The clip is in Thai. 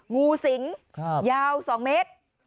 งูสิงยาว๒เมตร